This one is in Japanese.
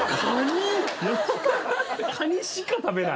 カニしか食べない？